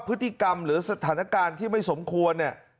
พฤติกรรมหรือสถานการณ์ที่ไม่สมควรเนี่ย